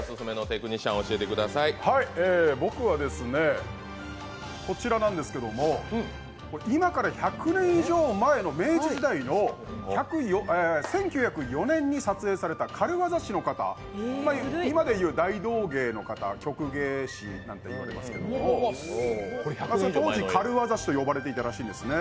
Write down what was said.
僕はこちらなんですけども今から１００年以上前の明治時代の１９０４年に撮影された軽業師の方、今でいう大道芸の方、曲芸師なんていわれますけど当時、軽業師と呼ばれていたらしいんですね。